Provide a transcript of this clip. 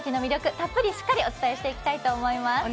しっかりたっぷりお伝えしていきたいと思います。